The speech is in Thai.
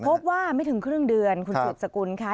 ไม่ถึงครึ่งเดือนคุณสืบสกุลค่ะ